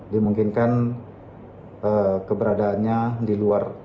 dimungkinkan keberadaannya di luar